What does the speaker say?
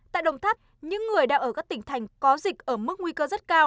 tại đồng tháp những người đang ở các tỉnh thành có dịch ở mức nguy cơ rất cao